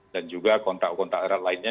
dan juga kontak kontak erat lainnya